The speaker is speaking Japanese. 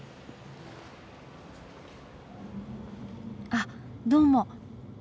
あっどうも。